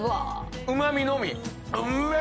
うま味のみ。